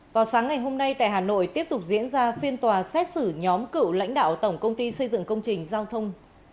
vào sáng ngày hôm nay tại hà nội tiếp tục diễn ra phiên tòa xét xử nhóm cựu lãnh đạo tổng công ty xây dựng công trình giao thông